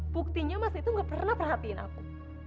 buktinya mas itu gak pernah perhatiin aku